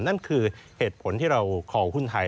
นั่นคือเหตุผลที่เราครองหุ้นไทย